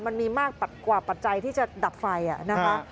มันมีมากกว่าปัจจัยที่จะดับไฟนะคะ